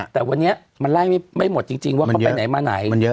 แต่วันนี้มันไล่ไม่หมดจริงว่าเขาไปไหนมาไหน